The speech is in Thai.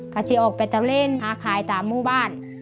ขายออกไปเตาเลนได้ขายตามหมู่บ้าน